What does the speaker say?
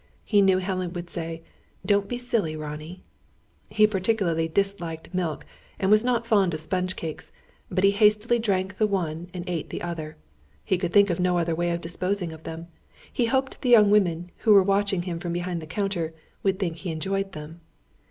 He knew Helen would say: "Don't be silly, Ronnie!" He particularly disliked milk, and was not fond of sponge cakes; but he hastily drank the one and ate the other. He could think of no other way of disposing of them. He hoped the young women who were watching him from behind the counter, would think he enjoyed them.